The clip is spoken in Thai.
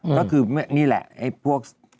ก็คือนี่แหละไอ้พวก